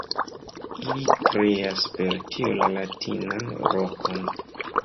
Ili kreas per tio la latinan rokon.